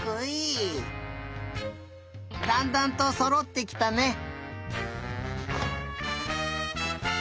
だんだんとそろってきたね。